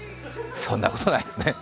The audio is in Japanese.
そんなことないですね。